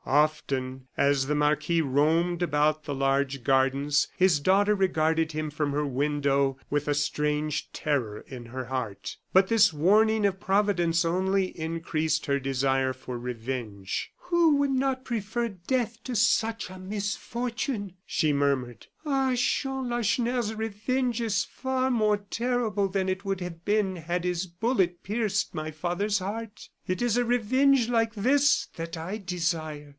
Often, as the marquis roamed about the large gardens, his daughter regarded him from her window with a strange terror in her heart. But this warning of Providence only increased her desire for revenge. "Who would not prefer death to such a misfortune?" she murmured. "Ah! Jean Lacheneur's revenge is far more terrible than it would have been had his bullet pierced my father's heart. It is a revenge like this that I desire.